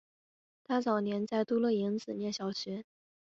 他早年在都楞营子念小学。